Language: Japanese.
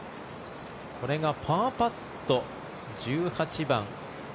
これがパーパット、１８番。